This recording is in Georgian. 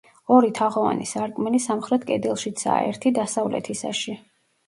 ორი თაღოვანი სარკმელი სამხრეთ კედელშიცაა, ერთი დასავლეთისაში.